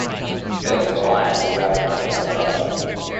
Bands of iron were wrapped around the outside.